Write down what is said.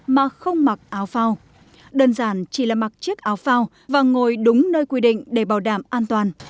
mà không mặc áo phao đơn giản chỉ là mặc chiếc áo phao và ngồi đúng nơi quy định để bảo đảm an toàn